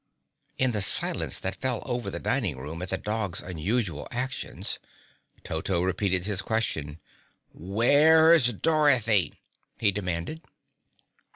In the silence that fell over the dining room at the dog's unusual actions, Toto repeated his question. "Where's Dorothy?" he demanded.